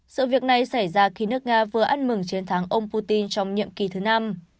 sự việc này xảy ra khi nước nga vừa ăn mừng chiến thắng ông putin trong nhiệm kỳ thứ năm